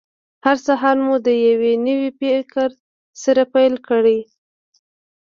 هر سهار مو د یوه نوي فکر سره پیل کړئ.